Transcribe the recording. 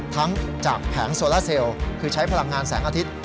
ทั้งจากแผงโซล่าเซลคือใช้พลังงานแสงอาทิตย์